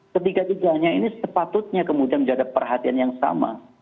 ketika ditulisannya ini sepatutnya kemudian menjadi perhatian yang sama